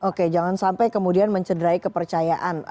oke jangan sampai kemudian mencederai kepercayaan